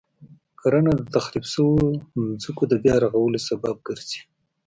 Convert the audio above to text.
کرنه د تخریب شويو ځمکو د بیا رغولو سبب ګرځي.